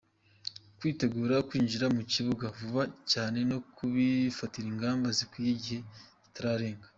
Kwitegura kwinjira mu kibuga vuba cyane no kubifatira ingamba zikwiye igihe kitararenga.